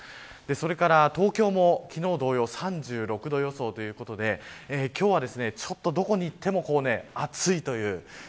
それから、東京も昨日同様３６度予想ということで今日は、どこに行っても暑いという。